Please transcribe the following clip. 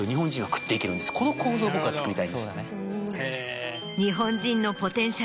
この構造を僕は作りたいんです。